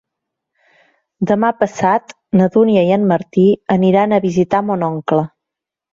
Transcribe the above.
Demà passat na Dúnia i en Martí aniran a visitar mon oncle.